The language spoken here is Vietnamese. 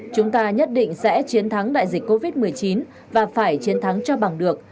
chúng ta nhất định sẽ chiến thắng đại dịch covid một mươi chín và phải chiến thắng cho bằng được